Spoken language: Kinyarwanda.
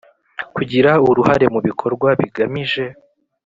Kugira uruhare mu bikorwa bigamije